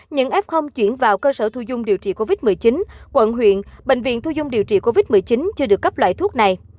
những f chuyển vào cơ sở thu dung điều trị covid một mươi chín quận huyện bệnh viện thu dung điều trị covid một mươi chín chưa được cấp loại thuốc này